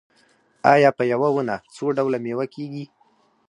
آیا په یوه ونه څو ډوله میوه کیږي؟